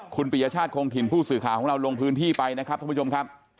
คุณปียชาติคงถิ่นผู้สื่อข่าวของเราลงพื้นที่ไปนะครับท่านผู้ชมครับ